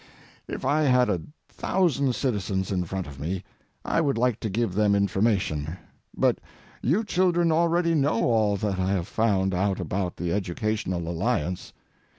If I had a thousand citizens in front of me, I would like to give them information, but you children already know all that I have found out about the Educational Alliance.